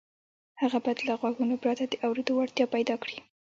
هغه باید له غوږونو پرته د اورېدو وړتیا پیدا کړي